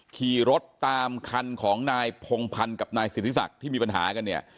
ขี่รถตามคันของนายพงพันธ์กับนายสิทธิศักดิ์ที่มีปัญหากันเนี่ย